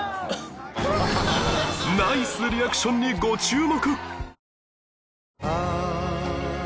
ナイスリアクションにご注目